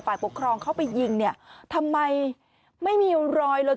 ปกครองเข้าไปยิงเนี่ยทำไมไม่มีรอยเลย